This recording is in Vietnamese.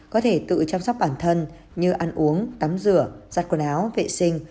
có thể tự chăm sóc bản thân như ăn uống tắm rửa giặt quần áo vệ sinh